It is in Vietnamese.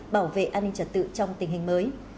bảo vệ an ninh trật tự trong tình hình mới